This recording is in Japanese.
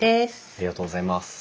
ありがとうございます。